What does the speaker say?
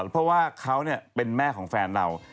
เพราะว่าเขาเป็นแม่ของแฟนเรา